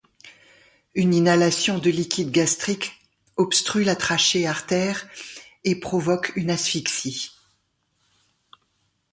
Une inhalation de liquide gastrique obstrue la trachée artère et provoque une asphyxie.